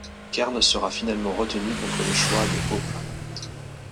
Kern sera finalement retenu contre le choix de Häupl.